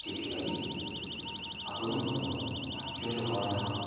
どんなもこんなも表情変わらないか。